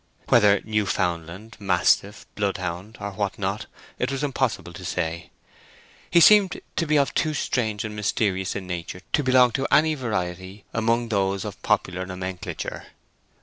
Whether Newfoundland, mastiff, bloodhound, or what not, it was impossible to say. He seemed to be of too strange and mysterious a nature to belong to any variety among those of popular nomenclature.